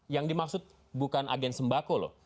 yang dimaksud bukan agen sembako loh